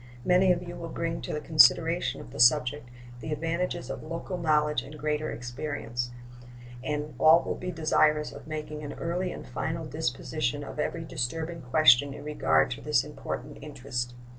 Many of you will bring to the consideration of the subject the advantages of local knowledge and greater experience, and all will be desirous of making an early and final disposition of every disturbing question in regard to this important interest.